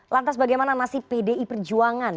lantas bagaimana nasib pdi perjuangan